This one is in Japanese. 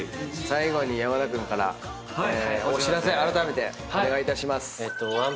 最後に山田君からお知らせあらためてお願いいたします。